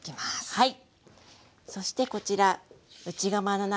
はい。